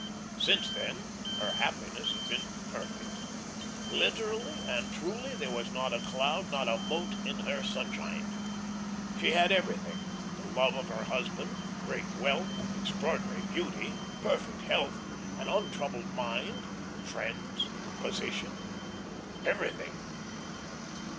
Since then her happiness had been perfect. Literally and truly there was not a cloud, not a mote in her sunshine. She had everything the love of her husband, great wealth, extraordinary beauty, perfect health, an untroubled mind, friends, position everything.